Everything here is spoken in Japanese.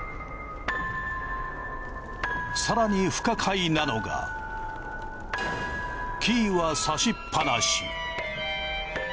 更に不可解なのがキーはさしっぱなし。